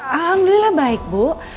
alhamdulillah baik bu